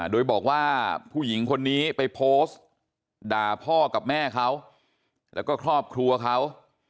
โดยบอกว่าผู้หญิงคนนี้ไปโพสต์ด่าพ่อกับแม่เขาแล้วก็ครอบครัวเขา